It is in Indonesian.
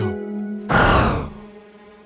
teman untuk selamanya